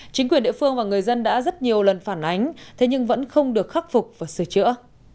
chính quyền địa phương và người dân đã rất nhiều lần phản ánh thế nhưng vẫn không được khắc phục và sửa chữa